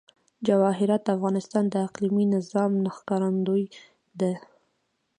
جواهرات د افغانستان د اقلیمي نظام ښکارندوی ده.